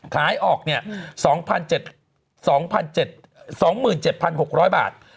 ขายออก๒๗๖๐๐บาท